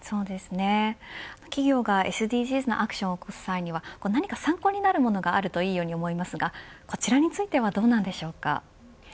企業がＳＤＧｓのアクションを起こす際に何か参考になるものがあるといいように思いますがそちらについてはどうなんでしょうか。